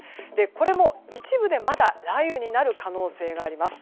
これも一部で、まだ雷雨になる可能性があります。